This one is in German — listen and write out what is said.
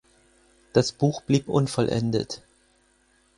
Das Buch blieb unvollendet.